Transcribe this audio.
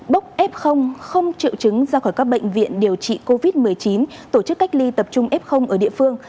bốc f không triệu chứng ra khỏi các bệnh viện điều trị covid một mươi chín tổ chức cách ly tập trung f ở địa phương